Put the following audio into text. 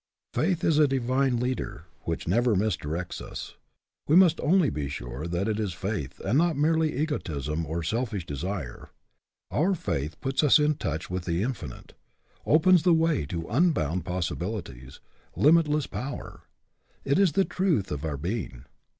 Faith is a divine leader which never misdirects us. We must only be sure that it is faith, and not merely egotism or selfish desire. Our faith puts us in touch with the infinite ; opens the way to unbounded possibilities, limit less power. It is the truth of our 'being.